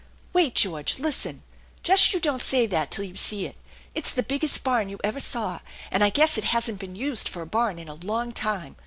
" Wait, George. Listen. Just you don't say that till you see it. It's the biggest barn you ever saw, and I guess it hasn't been used for a barn in a long time.